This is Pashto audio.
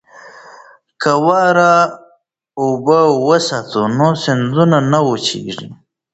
که واوره اوبه وساتو نو سیندونه نه وچیږي.